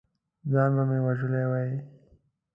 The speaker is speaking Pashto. ځان به مې وژلی وي!